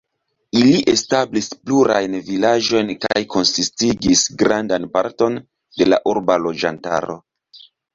Ili establis plurajn vilaĝojn kaj konsistigis grandan parton de la urba loĝantaro.